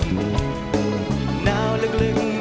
หนาวลึก